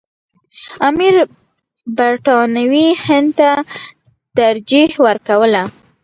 امیر برټانوي هند ته ترجیح ورکوله.